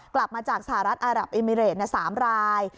กลับมาจากสหรัฐอารับเอมิเรต๓ราย